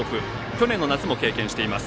去年の夏も経験しています。